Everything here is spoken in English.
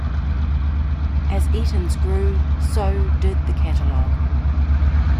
As Eaton's grew, so did the catalogue.